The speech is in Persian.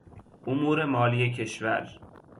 امور مالی کشور